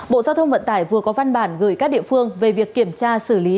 bộ giao thông vận tải vừa có văn bản gửi các địa phương về việc kiểm tra xử lý